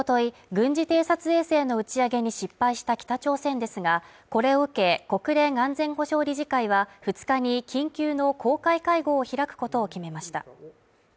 軍事偵察衛星の打ち上げに失敗した北朝鮮ですが、これを受け、国連安全保障理事会は２日に緊急の公開会合を開くことを決めました。